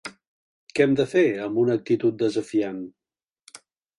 Què hem de fer?, amb una actitud desafiant.